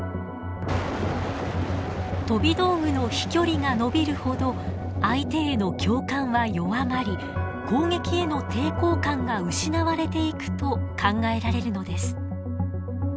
飛び道具の飛距離が延びるほど相手への共感は弱まり攻撃への抵抗感が失われていくと考えられるのです。